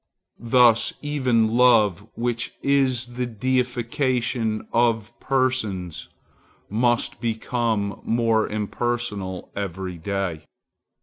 Thus even love, which is the deification of persons, must become more impersonal every day.